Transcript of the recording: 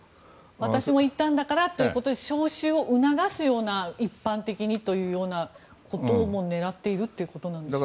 私も行ったんだからということで招集を促すような一般的にというようなことも狙っているということなんでしょうか。